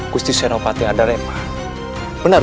kusti senopati ararepa benar benar hebat